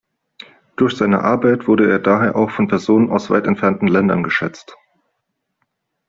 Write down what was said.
Durch seine Arbeit wurde er daher auch von Personen aus weit entfernten Ländern geschätzt.